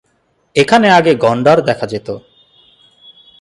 এখানে আগে গণ্ডার দেখা যেত।